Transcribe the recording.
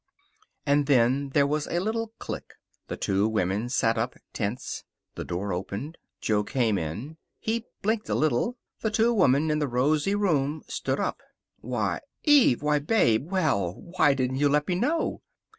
And then there was a little click. The two women sat up, tense. The door opened. Jo came in. He blinked a little. The two women in the rosy room stood up. "Why Eve! Why, Babe! Well! Why didn't you let me know?"